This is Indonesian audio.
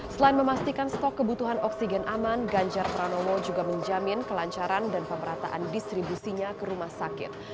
selain memastikan stok kebutuhan oksigen aman ganjar pranowo juga menjamin kelancaran dan pemerataan distribusinya ke rumah sakit